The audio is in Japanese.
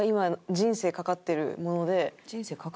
「人生懸かってるもの」？